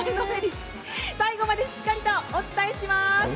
最後までしっかりとお伝えします。